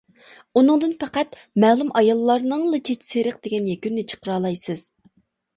ئۇنىڭدىن پەقەت «مەلۇم ئاياللارنىڭلا چېچى سېرىق» دېگەن يەكۈننى چىقىرالايسىز.